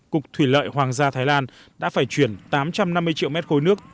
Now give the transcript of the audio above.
cục thủy lợi hoàng gia thái lan đã phải chuyển tám trăm năm mươi triệu mét khối nước